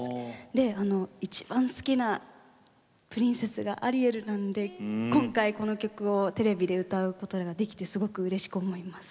で、一番好きなプリンセスがアリエルなので今回この曲をテレビで歌うことができてすごくうれしく思います。